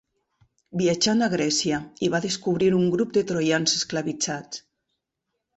Viatjant a Grècia, hi va descobrir un grup de Troians esclavitzats.